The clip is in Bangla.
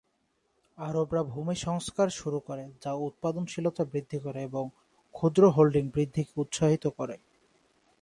আরবরা ভূমি সংস্কার শুরু করে যা উৎপাদনশীলতা বৃদ্ধি করে এবং ক্ষুদ্র হোল্ডিং বৃদ্ধিকে উৎসাহিত করে।